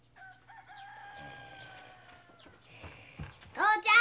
父ちゃん！